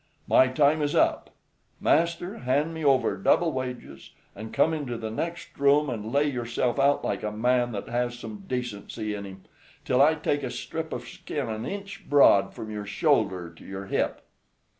My time is up. Master, hand me over double wages, and come into the next room, and lay yourself out like a man that has some decency in him, till I take a strip of skin an inch broad from your shoulder to your hip."